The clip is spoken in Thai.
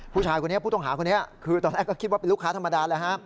ผู้ชายคนนี้ผู้ต้องหาคนนี้คือตอนแรกก็คิดว่าเป็นลูกค้าธรรมดาเลย